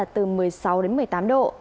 từ một mươi sáu đến một mươi tám độ